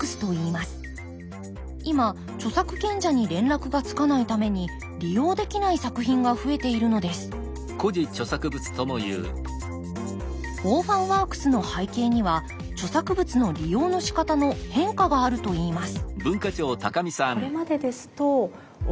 今著作権者に連絡がつかないために利用できない作品が増えているのですオーファンワークスの背景には著作物の利用のしかたの変化があるといいます